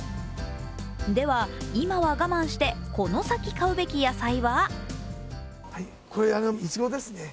では今は我慢してこの先買うべき野菜は？